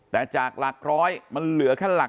แต่จากหลักร้อยมันเหลือแค่หลัก